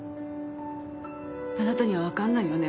あなたには分かんないよね？